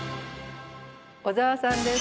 小沢さんです。